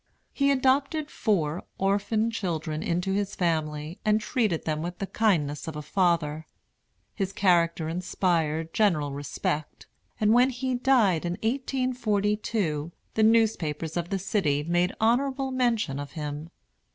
He adopted four orphan children into his family, and treated them with the kindness of a father. His character inspired general respect; and when he died, in 1842, the newspapers of the city made honorable mention of him.